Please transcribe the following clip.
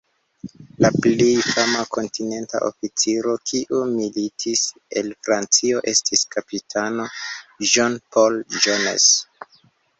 La plej fama Kontinenta oficiro, kiu militis el Francio, estis kapitano John Paul Jones.